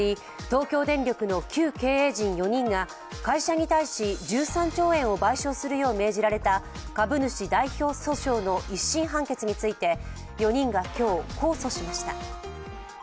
東京電力の旧経営陣４人が会社に対し１３兆円を賠償するよう命じられた株主代表訴訟の一審判決について４人が今日、控訴しました。